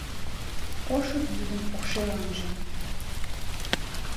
Ошыт вӱдын покшеланже